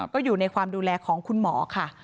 ก็อยู่ในความดูแลของคุณหมอค่ะ